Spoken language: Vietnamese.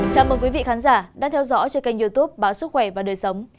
chào mừng quý vị khán giả đang theo dõi trên kênh youtube báo sức khỏe và đời sống